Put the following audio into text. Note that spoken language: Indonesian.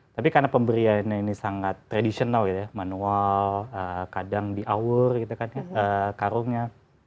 tapi karena pemberiannya ini sangat traditional ya manual kadang di awur gitu kan ya karungnya